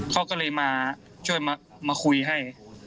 เขาก็เลยมาช่วยมาคุยให้